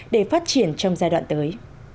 để phát triển trong giai đoạn tới